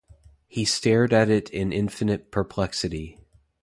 He stared at it in infinite perplexity.